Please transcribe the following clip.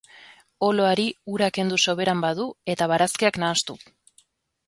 Oloari ura kendu soberan badu eta barazkiak nahastu.